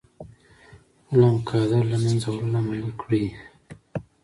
غلام قادر له منځه وړل عملي کړئ.